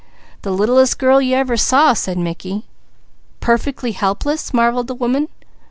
"The littlest girl you ever saw," said Mickey. "Perfectly helpless?" marvelled the woman.